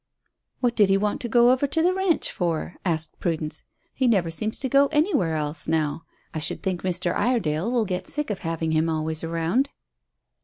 "What did he want to go over to the ranch for?" asked Prudence. "He never seems to go anywhere else now. I should think Mr. Iredale will get sick of having him always round."